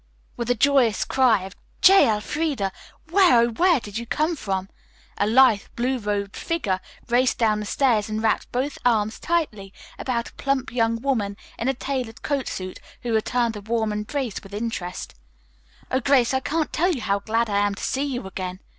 With a joyous cry of "J. Elfreda, where, oh, where did you come from?" a lithe, blue robed figure raced down the stairs and wrapped both arms tightly about a plump young woman, in a tailored coat suit, who returned the warm embrace with interest. "Oh, Grace, I can't tell you how glad I am to see you again!"